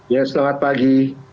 ya selamat pagi